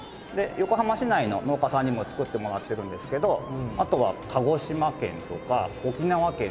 横浜市内の農家さんにも作ってもらってるんですけどあとは鹿児島県とか沖縄県でも。